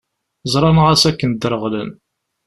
Ẓran ɣas akken ddreɣlen.